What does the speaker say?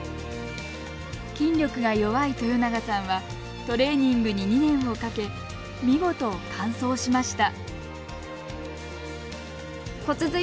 筋力が弱い豊永さんはトレーニングに２年をかけ見事、完走しました。